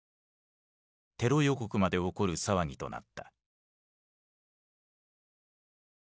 テロ予告まで起こる騒ぎとなった。